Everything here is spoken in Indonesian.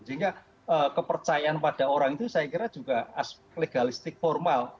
sehingga kepercayaan pada orang itu saya kira juga aspek legalistik formal